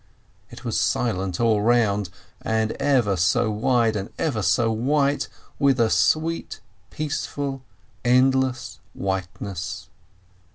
It was silent all round, and ever so wide, and ever so white, with a sweet, peaceful, endless whiteness.